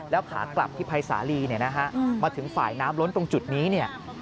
แล้วขากลับที่ภัยสาลีมาถึงฝ่ายน้ำล้นตรงจุดนี้